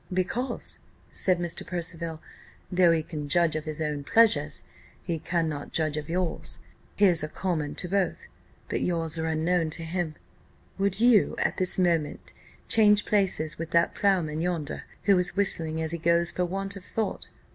"Because," said Mr. Percival, "though he can judge of his own pleasures, he cannot judge of yours; his are common to both, but yours are unknown to him. Would you, at this instant, change places with that ploughman yonder, who is whistling as he goes for want of thought?